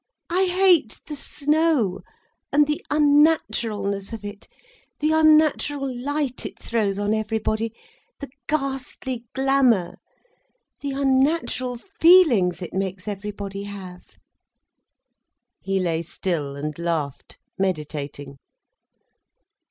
"I hate the snow, and the unnaturalness of it, the unnatural light it throws on everybody, the ghastly glamour, the unnatural feelings it makes everybody have." He lay still and laughed, meditating.